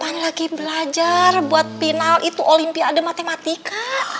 ada yang teh kapan lagi belajar buat final itu olimpiade matematika